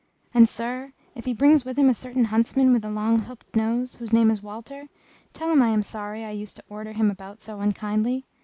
And, sir, if he brings with him a certain huntsman with a long hooked nose, whose name is Walter, tell him I am sorry I used to order him about so unkindly.